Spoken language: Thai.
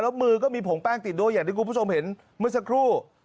แล้วมือก็มีผงแป้งติดด้วยอย่างที่คุณผู้ชมเห็นเมื่อสักครู่